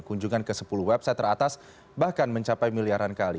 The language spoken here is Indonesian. kunjungan ke sepuluh website teratas bahkan mencapai miliaran kali